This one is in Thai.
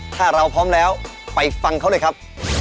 ถ้าเราพร้อมแล้วไปฟังเขาเลยครับ